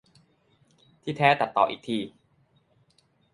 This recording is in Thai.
ที่แท้ตัดต่ออีกที